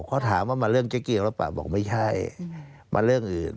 เขาถามว่ามาเรื่องเจ๊เกียวหรือเปล่าบอกไม่ใช่มาเรื่องอื่น